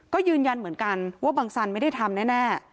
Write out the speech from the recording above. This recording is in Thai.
ก็ยืนยันเหมือนกันว่าบังสันไม่ได้ทำแน่